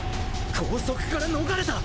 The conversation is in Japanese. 拘束から逃れた！